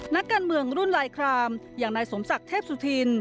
นักการเมืองรุ่นลายครามอย่างนายสมศักดิ์เทพสุธิน